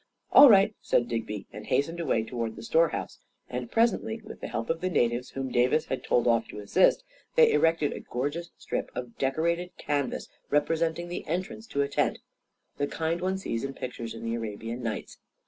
" All right," said Digby, and hastened away to ward the store house; and presently, with the help of the natives whom Davis had told off to assist, they erected a gorgeous strip of decorated canvas representing the entrance to a tent — the kind one sees in pictures in the Arabian Nights.